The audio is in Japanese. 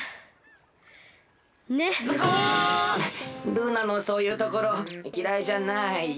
ルーナのそういうところきらいじゃないよ。